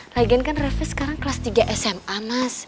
lagian kan reva sekarang kelas tiga sma mas